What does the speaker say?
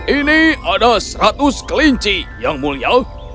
ini ada seratus kelinci yang mulia